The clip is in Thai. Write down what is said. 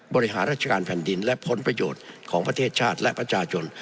บริหารราชการแผ่นดินและผลประโยชน์ของประเทศชาติและประชาชน